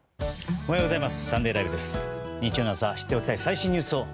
おはようございます。